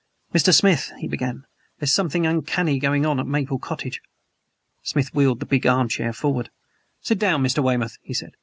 "Mr. Smith," he began, "there's something uncanny going on at Maple Cottage." Smith wheeled the big arm chair forward. "Sit down, Mr. Weymouth," he said.